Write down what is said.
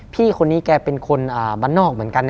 พี่คนนี้แกเป็นคนบ้านนอกเหมือนกัน